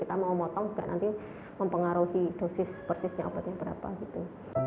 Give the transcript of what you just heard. kita mau motong juga nanti mempengaruhi dosis persisnya obatnya berapa gitu